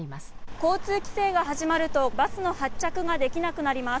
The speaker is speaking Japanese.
交通規制が始まるとバスの発着ができなくなります。